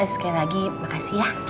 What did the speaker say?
sekali lagi makasih ya